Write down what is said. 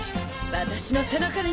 私の背中に。